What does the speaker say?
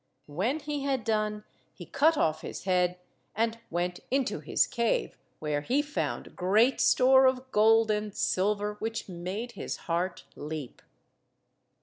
When he had done, he cut off his head, and went into his cave, where he found great store of gold and silver, which made his heart leap.